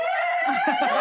ハハハ